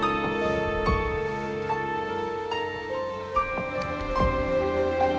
di mana pemerintah penjarah fosil yang terkandung di dalam tanah